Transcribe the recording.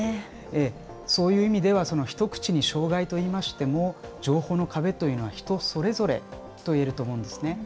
そういう意味では一口に障害といいましても情報の壁というのは人それぞれといえると思うんですね。